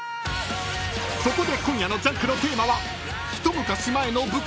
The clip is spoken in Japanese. ［そこで今夜の『ジャンク』のテーマは］